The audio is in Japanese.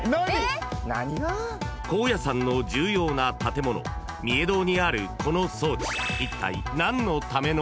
［高野山の重要な建物御影堂にあるこの装置］